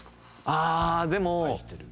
ああでも。